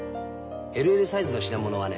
ＬＬサイズの品物はね